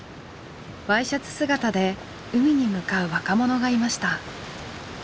Ｙシャツ姿で海に向かう若者がいました。